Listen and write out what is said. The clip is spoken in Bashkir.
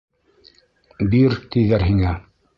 Бир, тиҙәр һиңә!